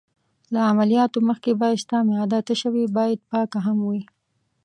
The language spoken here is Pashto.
له عملیاتو مخکې باید ستا معده تشه وي، باید پاک هم یې.